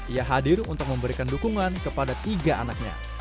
ia hadir untuk memberikan dukungan kepada tiga anaknya